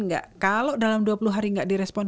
enggak kalau dalam dua puluh hari nggak direspon